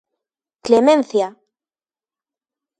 Clemencia!